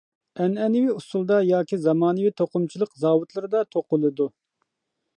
ئەنئەنىۋى ئۇسۇلدا ياكى زامانىۋى توقۇمىچىلىق زاۋۇتلىرىدا توقۇلىدۇ.